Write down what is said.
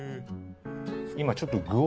今ちょっと具をね